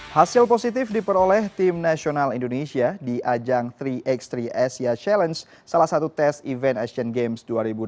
hasil positif diperoleh tim nasional indonesia di ajang tiga x tiga asia challenge salah satu tes event asian games dua ribu delapan belas